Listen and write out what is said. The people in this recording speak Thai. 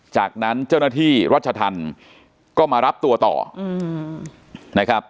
จากนั้นเจ้าหน้าที่รัชธรรมก็มารับตัวต่อนะครับ